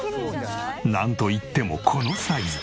なんといってもこのサイズ。